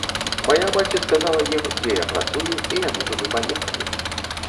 Мая маці сказала ім, дзе я працую, і яны туды паехалі.